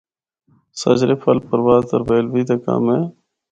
’سجرے پھل‘ پرواز تربیلوی دا کم اے۔